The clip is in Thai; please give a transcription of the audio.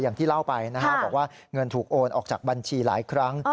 อย่างที่เล่าไปนะฮะบอกว่าเงินถูกโอนออกจากบัญชีหลายครั้ง